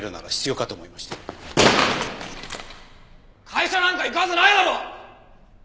会社なんか行くはずないだろ！